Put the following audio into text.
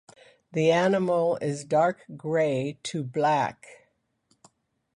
The animal is dark grey to black.